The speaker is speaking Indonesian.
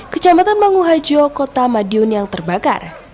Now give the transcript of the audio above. kecamatan manguhajo kota madiun yang terbakar